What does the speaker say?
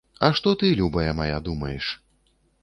А што ты, любая мая, думаеш?